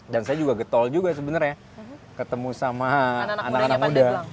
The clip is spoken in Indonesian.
dan saya juga getol juga sebenarnya ketemu sama anak anak muda